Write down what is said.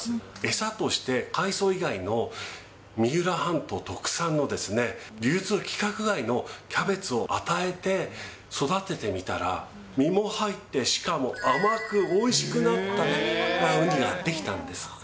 餌として、海藻以外の三浦半島特産の流通規格外のキャベツを与えて育ててみたら、身も入って、しかも甘くおいしくなったウニが出来たんです。